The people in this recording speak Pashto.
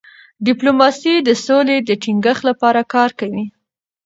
ډيپلوماسي د سولې د ټینګښت لپاره کار کوي.